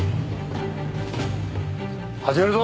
始めるぞ！